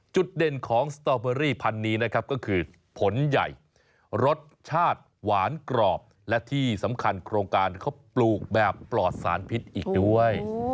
จุดเด่นของสตอเบอรี่พันธุ์นี้นะครับก็คือผลใหญ่รสชาติหวานกรอบและที่สำคัญโครงการเขาปลูกแบบปลอดสารพิษอีกด้วย